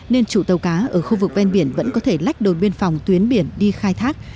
nên chủ tàu cá ở khu vực ven biển vẫn có thể lách đồn biên phòng tuyến biển đi khai thác